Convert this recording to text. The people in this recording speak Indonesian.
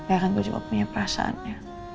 ya kan gue juga punya perasaan ya